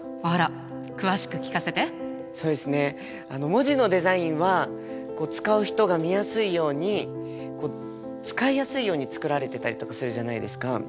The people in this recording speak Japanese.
文字のデザインは使う人が見やすいように使いやすいように作られてたりとかするじゃないですか。